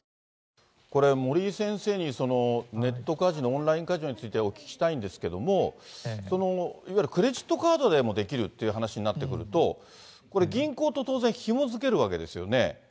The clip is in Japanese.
オンラインカジノについて、お聞きしたいんですけれども、いわゆるクレジットカードでもできるっていう話になってくると、これ、銀行と当然、ひも付けるわけですよね。